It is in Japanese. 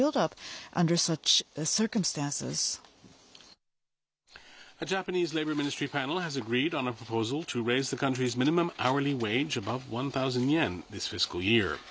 そうですね。